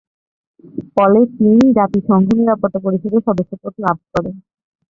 ফলে চীন জাতিসংঘ নিরাপত্তা পরিষদের সদস্য পদ লাভ করে।